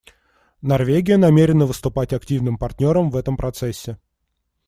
Норвегия намерена выступать активным партнером в этом процессе.